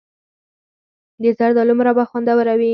د زردالو مربا خوندوره وي.